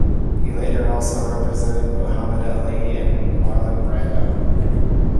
He later also represented Muhammad Ali and Marlon Brando.